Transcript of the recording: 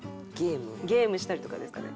ゲームしたりとかですかね。